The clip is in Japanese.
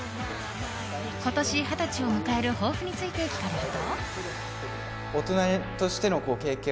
今年二十歳を迎える抱負について聞かれると。